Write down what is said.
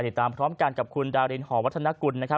ติดตามพร้อมกันกับคุณดารินหอวัฒนกุลนะครับ